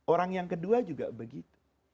orang yang kedua juga begitu